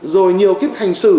rồi nhiều clip hành xử